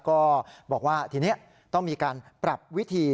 ก็บอกว่าทีนี้ต้องมีการปรับวิธี